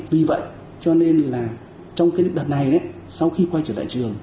vì vậy cho nên là trong cái đợt này sau khi quay trở lại trường